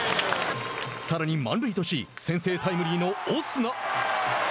さらに満塁とし先制タイムリーのオスナ。